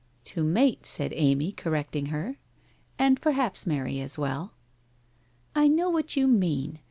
* To mate,' said Amy, correcting her. c And perhaps marry as well.' ' I know what you mean.